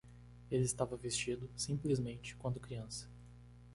Ele estava vestido, simplesmente, quando criança.